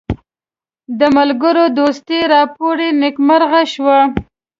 د ملګرو دوستي راپوري نیکمرغه شوه.